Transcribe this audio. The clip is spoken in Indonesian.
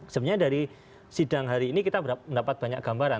sebenarnya dari sidang hari ini kita mendapat banyak gambaran